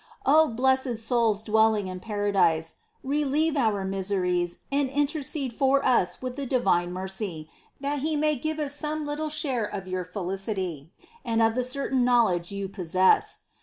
2. O blessed souls dwelling in paradise ! Relieve our miseries and intercede for us with the divine Mercy, that He may give us some little share of your felicity, ^1 Milner, etc., ExcL XIII. EXCLAMATIONS, 99 and of the certain knowledge you possess.